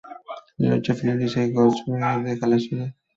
La lucha finaliza y Ghost Rider deja la ciudad.